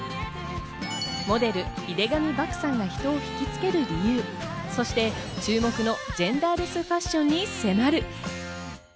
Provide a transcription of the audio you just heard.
モデル・井手上漠さんが人をひきつける理由、そして注目のジェンダーレスファッションに迫る。